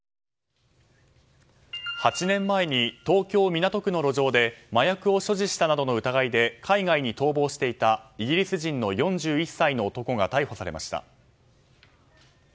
８年前に東京・港区の路上で麻薬を所持したなどの疑いで海外に逃亡していたイギリス人の４１歳の男が逮捕されました。